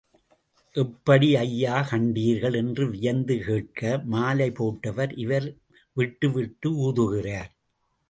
எப்படி ஐயா கண்டீர்கள் — என வியந்து கேட்க மாலை போட்டவர், இவர் விட்டுவிட்டு ஊதுகிறார்?